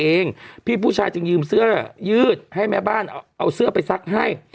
เองพี่ผู้ชายจึงยืมเสื้อยืดให้แม่บ้านเอาเสื้อไปซักให้